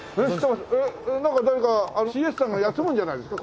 えっなんか誰かＣＡさんが休むんじゃないですか